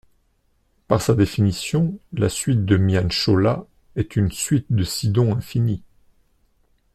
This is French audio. Par sa définition, la suite de Mian-Chowla est une suite de Sidon infinie.